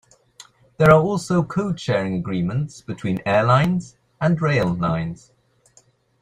There are also code sharing agreements between airlines and rail lines.